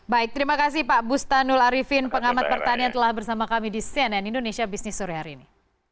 baik terima kasih pak bu stanul arifin pengamat pertanian telah bersama kami di cnn indonesia bisnis suri hari ini